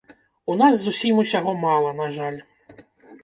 У нас зусім усяго мала, на жаль.